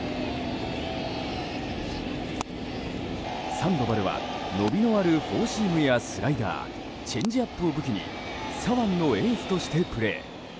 サンドバルは伸びのあるフォーシームやスライダーチェンジアップを武器に左腕のエースとしてプレー。